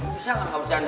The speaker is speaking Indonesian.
bisa gak kabur janda